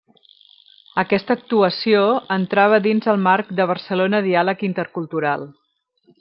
Aquesta actuació entrava dins el marc de Barcelona Diàleg Intercultural.